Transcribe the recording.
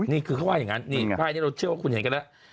นี่คือเขาว่าอย่างนั้นนี่ภาพนี้เราเชื่อว่าคุณเห็นกันแล้ว